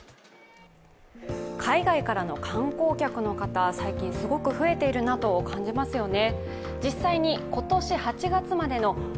海外からの観光客の方最近すごく増えているなと感じますよね。